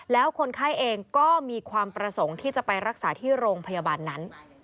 แล้วคนไข้เองก็มีความประสงค์ที่จะไปรักษาที่โรงพยาบาลนั้น